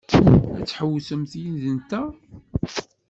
Ad tḥewwsemt yid-nteɣ?